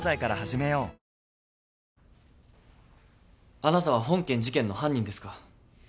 あなたは本件事件の犯人ですか？